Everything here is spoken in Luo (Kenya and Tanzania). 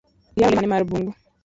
Ihero le mane mar bungu?